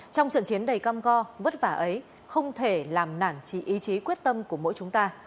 trong trận chiến đầy cam go vất vả ấy không thể làm nản trí ý chí quyết tâm của mỗi chúng ta